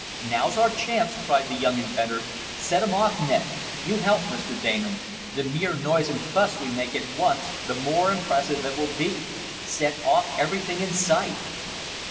"Now's our chance!" cried the young inventor. "Set 'em off, Ned. You help, Mr. Damon. The more noise and fuss we make at once, the more impressive it will be. Set off everything in sight!"